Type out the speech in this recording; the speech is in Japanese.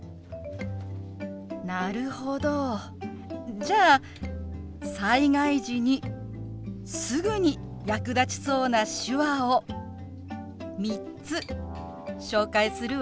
なるほどじゃあ災害時にすぐに役立ちそうな手話を３つ紹介するわね。